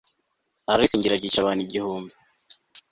ararisingira aryicisha abantu igihumbi